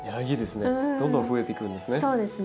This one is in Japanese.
どんどん増えていくんですね。